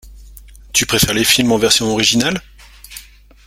Tu préfères les films en version originale?